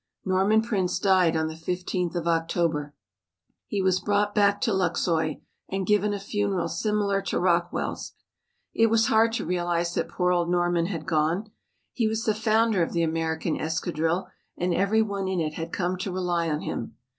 Norman Prince died on the 15th of October. He was brought back to Luxeuil and given a funeral similar to Rockwell's. It was hard to realize that poor old Norman had gone. He was the founder of the American escadrille and every one in it had come to rely on him.